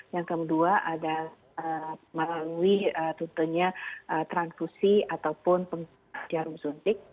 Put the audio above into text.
yang kedua adalah melalui transkusi ataupun penularan jarum suntik